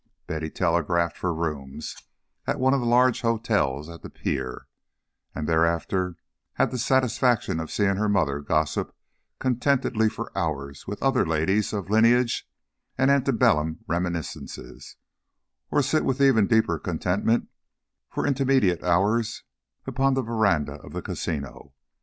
Betty telegraphed for rooms at one of the large hotels at the Pier, and thereafter had the satisfaction of seeing her mother gossip contentedly for hours with other ladies of lineage and ante bellum reminiscences, or sit with even deeper contentment for intermediate hours upon the veranda of the Casino.